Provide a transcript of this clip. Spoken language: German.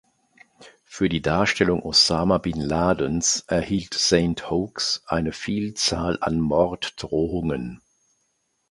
Für die Darstellung Osama bin Ladens erhielt Saint Hoax eine Vielzahl an Morddrohungen.